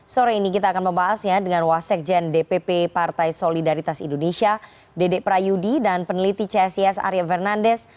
sore ini kita akan membahasnya dengan wasekjen dpp partai solidaritas indonesia dede prayudi dan peneliti csis arya fernandes